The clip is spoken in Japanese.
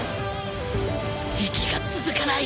息が続かない！